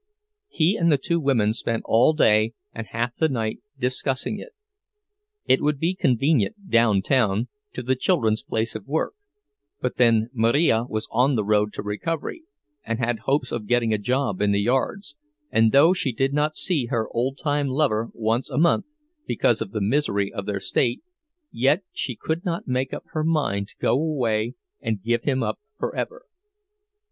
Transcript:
He and the two women spent all day and half the night discussing it. It would be convenient, downtown, to the children's place of work; but then Marija was on the road to recovery, and had hopes of getting a job in the yards; and though she did not see her old time lover once a month, because of the misery of their state, yet she could not make up her mind to go away and give him up forever.